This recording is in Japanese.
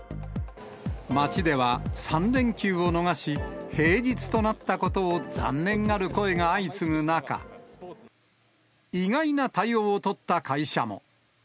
街では、３連休を逃し、平日となったことを残念がる声が相次ぐ中、意外な対応を取った会社も。